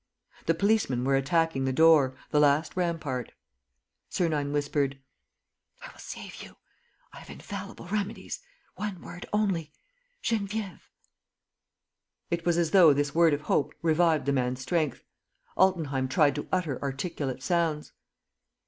The policemen were attacking the door, the last rampart. Sernine whispered. "I will save you. ... I have infallible remedies. ... One word only ... Geneviève? ..." It was as though this word of hope revived the man's strength. Altenheim tried to utter articulate sounds.